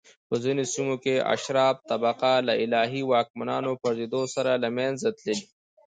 په ځینو سیمو کې اشراف طبقه له الهي واکمنانو پرځېدو سره له منځه تللي